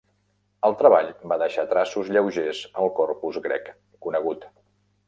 El treball va deixar traços lleugers al corpus grec conegut.